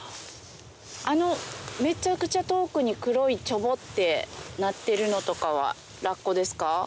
あのめちゃくちゃ遠くに黒いチョボってなってるのとかはラッコですか？